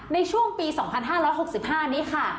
ในช่วงปี๒๕๖๕นี้ค่ะ